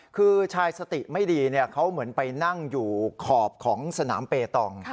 คือชายสติไม่ดีเขาเหมือนไปนั่งอยู่ขอบของสนามเปตอง